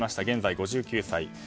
現在５９歳。